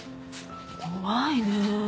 怖いね。